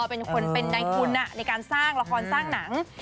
เป็นคนเป็นในทุนในการสร้างละครสร้างหนัง